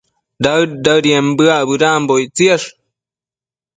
daëd-daëden bëac bedambo ictsiash